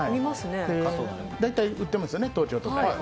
大体売ってますよね、東京とかに。